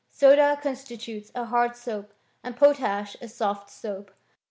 Soda constitutes a hard soap, and potash a soft soap.